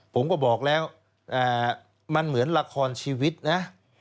ผมก็บอกแล้วมันเหมือนละครชีวิตนะ